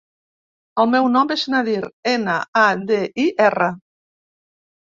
El meu nom és Nadir: ena, a, de, i, erra.